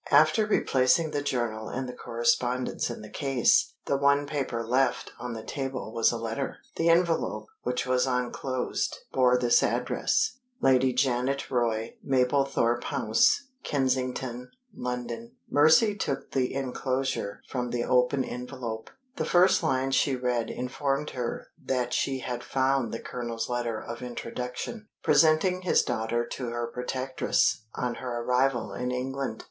After replacing the journal and the correspondence in the case, the one paper left on the table was a letter. The envelope, which was unclosed, bore this address: "Lady Janet Roy, Mablethorpe House, Kensington, London." Mercy took the inclosure from the open envelope. The first lines she read informed her that she had found the Colonel's letter of introduction, presenting his daughter to her protectress on her arrival in England.